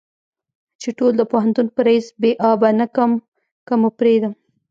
چې ټول د پوهنتون په ريس بې آبه نه کم که مو پرېدم.